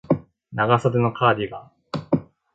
長袖のカーディガン